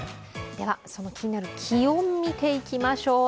その気になる気温を見ていきましょう。